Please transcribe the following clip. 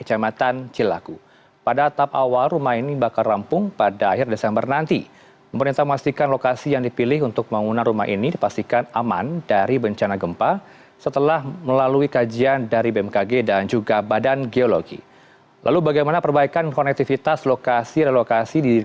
apa yang sudah dilakukan hingga kini